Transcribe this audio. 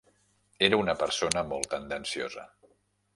Era una persona molt tendenciosa.